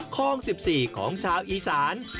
ข้อง๑๔ของชาวอีสาน